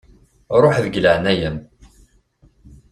Ruḥ, deg leεnaya-m.